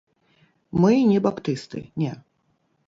Мы не баптысты, не.